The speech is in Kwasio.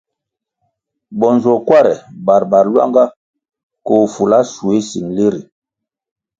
Bo nzuokware barbar luanga koh fula schuéh singili ri.